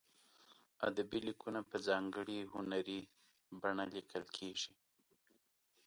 ادبي لیکونه په ځانګړې هنري بڼه لیکل کیږي.